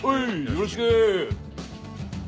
よろしく！